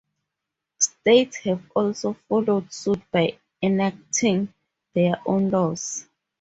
States have also followed suit by enacting their own laws.